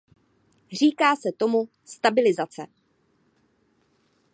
Říká se tomu „stabilizace“.